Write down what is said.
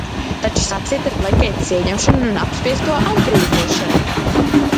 Taču sāciet ar Blekgeitas ieņemšanu un apspiesto atbrīvošanu!